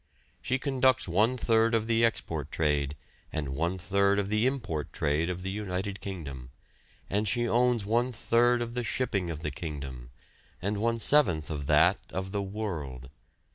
She conducts one third of the export trade and one third of the import trade of the United Kingdom, and she owns one third of the shipping of the kingdom, and one seventh of that of the world.